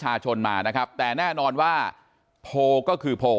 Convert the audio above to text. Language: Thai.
ของประชาชนมานะครับแต่แน่นอนว่าโพก็คือโพ